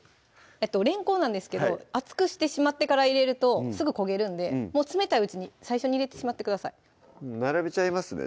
れんこんなんですけど熱くしてしまってから入れるとすぐ焦げるんでもう冷たいうちに最初に入れてしまってください並べちゃいますね